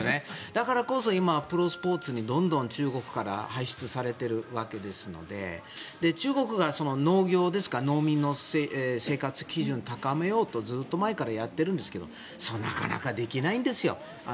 だからプロスポーツにどんどん中国から輩出されているわけですので中国が農業ですか農民の生活基準を高めようとずっと前からやっているんですけどなかなかできないんですよ。